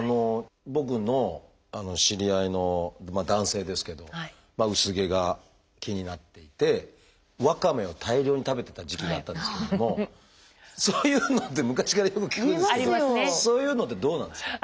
僕の知り合いの男性ですけど薄毛が気になっていてワカメを大量に食べてた時期があったんですけれどもそういうのって昔からよく聞くんですけどそういうのってどうなんですか？